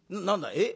えっ？